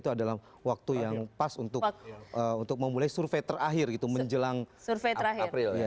itu adalah waktu yang pas untuk memulai survei terakhir gitu menjelang april